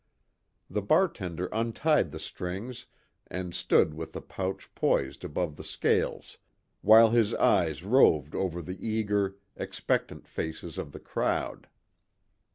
The bartender untied the strings and stood with the pouch poised above the scales while his eyes roved over the eager, expectant faces of the crowd.